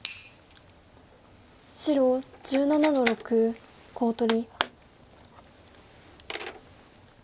白１７の六コウ取り。